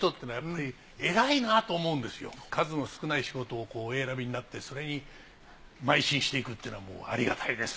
数の少ない仕事をお選びになってそれにまい進していくってのはありがたいですね。